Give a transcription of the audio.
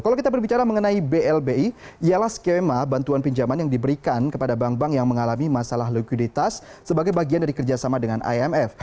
kalau kita berbicara mengenai blbi ialah skema bantuan pinjaman yang diberikan kepada bank bank yang mengalami masalah likuiditas sebagai bagian dari kerjasama dengan imf